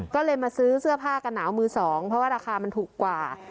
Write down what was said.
ก็เลยมาซื้อเสื้อผ้ากันหนาวมือสองเพราะว่าราคามันถูกกว่า